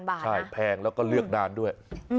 ใช่แพงแล้วก็เลือกนานด้วย